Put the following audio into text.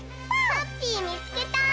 ハッピーみつけた！